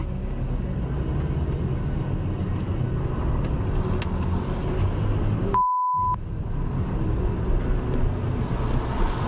ปล่อย